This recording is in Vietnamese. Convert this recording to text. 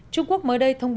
trung quốc mới đây thông tin